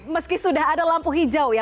meski sudah ada lampu hijau ya